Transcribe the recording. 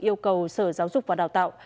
yêu cầu sở giáo dục và đào tạo